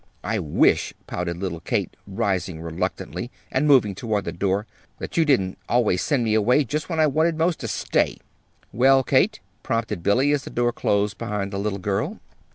"I wish," pouted little Kate, rising reluctantly, and moving toward the door, "that you didn't always send me away just when I wanted most to stay!" "Well, Kate?" prompted Billy, as the door closed behind the little girl.